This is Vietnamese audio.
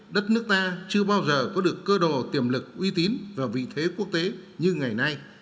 đất nước ta chưa bao giờ có được cơ đồ tiềm lực uy tín và vị thế quốc tế như ngày nay